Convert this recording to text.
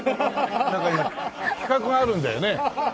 なんか今企画があるんだよね？